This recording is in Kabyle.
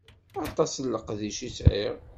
Aṭas n leqdic i sɛiɣ.